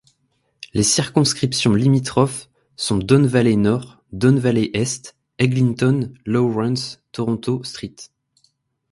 Les circonscriptions limitrophes sont Don Valley-Nord, Don Valley-Est, Eglinton—Lawrence, Toronto—St.